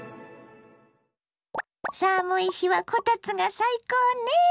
寒い日はこたつが最高ね。